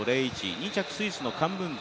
２着、スイスのカンブンジ